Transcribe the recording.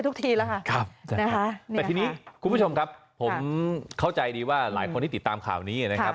แต่ทีนี้คุณผู้ชมครับผมเข้าใจดีว่าหลายคนที่ติดตามข่าวนี้นะครับ